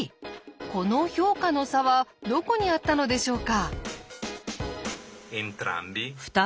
この評価の差はどこにあったのでしょうか？